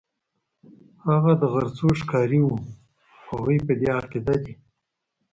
هغه د غرڅو ښکاري وو، هغوی په دې عقیده دي.